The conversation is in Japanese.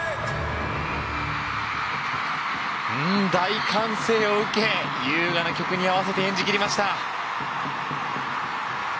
大歓声を受け優雅な曲に合わせて演じ切りました！